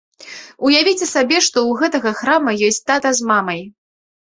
Уявіце сабе, што ў гэтага храма ёсць тата з мамай.